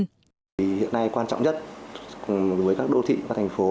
thì hiện nay quan trọng nhất với các đô thị và thành phố